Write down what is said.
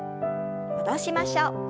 戻しましょう。